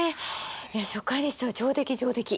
初回にしては上出来上出来。